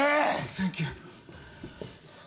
サンキュー。